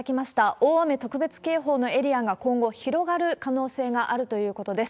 大雨特別警報のエリアが今後、広がる可能性があるということです。